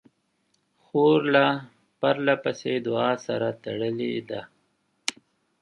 خور له پرله پسې دعا سره تړلې ده.